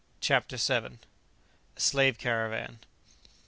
CHAPTER VII. A SLAVE CARAVAN.